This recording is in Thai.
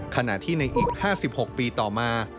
ขณะที่ในอีก๕๖ปีต่อมา